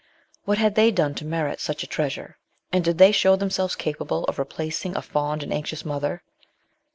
What had they done to merit such a treasure ? And did they show themselves capable of replacing a fond and anxious mother